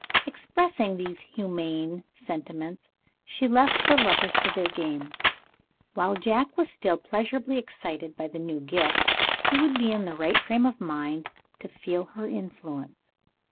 Expressing these humane sentiments, she left the lovers to their game. While Jack was still pleasurably excited by the new gift, he would be in the right frame of mind to feel her influence.